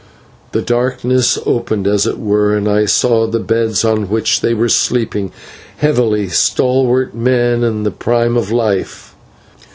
The darkness opened as it were, and I saw the beds on which they were sleeping heavily, stalwart men in the prime of life.